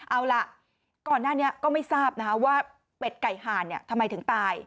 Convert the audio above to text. เอาล่ะก่อนหน้านี้ก็ไม่ทราบว่าเป็ดไก่หานทำไมถึงตาย